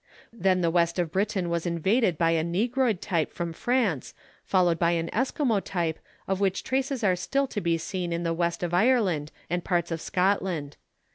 Then the west of Britain was invaded by a negroid type from France followed by an Eskimo type of which traces are still to be seen in the West of Ireland and parts of Scotland.